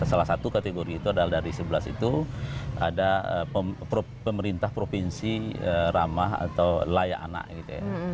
salah satu kategori itu adalah dari sebelas itu ada pemerintah provinsi ramah atau layak anak gitu ya